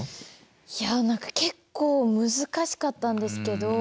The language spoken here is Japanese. いや結構難しかったんですけど。